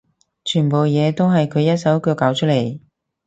全部嘢都係佢一手一腳搞出嚟